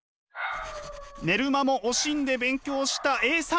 寝る間も惜しんで勉強したＡさん。